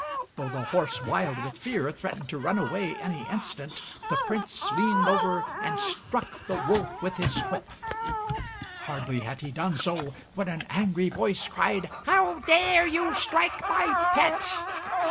Though the horse, wild with fear, threatened to run away any instant, the Prince leaned over and struck the wolf with his whip. Hardly had he done so, when an angry voice cried, "How dare you strike my pet?"